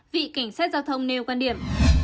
vị cảnh sát giao thông nêu quan điểm